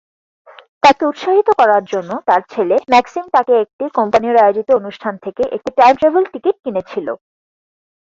তাকে উৎসাহিত করার জন্য, তার ছেলে ম্যাক্সিম তাকে একটি কোম্পানির আয়োজিত অনুষ্ঠান থেকে একটি "টাইম ট্রাভেল" টিকিট কিনেছিল।